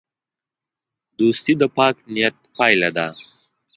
دوستي د پاک نیت پایله ده.